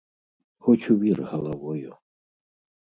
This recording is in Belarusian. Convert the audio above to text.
Хоць у вір галавою!